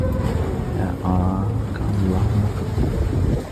لَا أَرَاك اللَّهُ مَكْرُوهًا